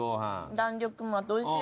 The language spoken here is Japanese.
弾力もあって美味しい！